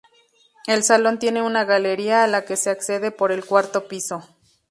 El Salón tiene una galería a la que se accede por el cuarto piso.